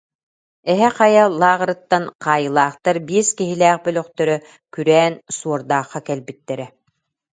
Эһэ Хайа лааҕырыттан хаайыылаахтар биэс киһилээх бөлөхтөрө күрээн Суордаахха кэлбиттэрэ